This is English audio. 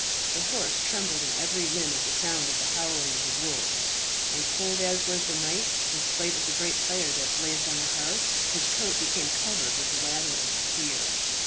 The horse trembled in every limb at the sound of the howling of the wolves; and cold as was the night, in spite of the great fire that blazed on the hearth, his coat became covered with the lather of fear.